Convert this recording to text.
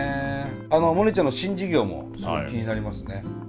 モネちゃんの新事業もすごく気になりますね。